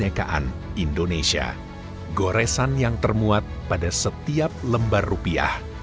kemerdekaan indonesia goresan yang termuat pada setiap lembar rupiah